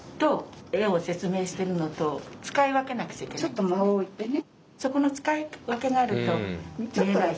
ちょっと間を置いてね。